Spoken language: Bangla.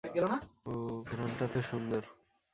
উউহ, ঘ্রাণটা তো সুন্দর!